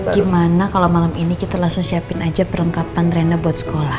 gimana kalau malam ini kita langsung siapin aja perlengkapan rene buat sekolah